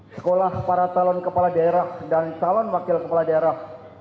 sekolah para talon kepala daerah dan calon wakil kepala daerah